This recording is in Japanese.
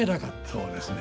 そうですね。